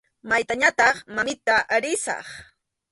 Maytañataq, mamita, risaq.